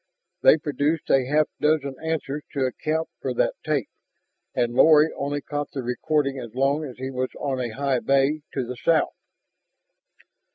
They produced a half dozen answers to account for that tape, and Lorry only caught the recording as long as he was on a big bay to the south.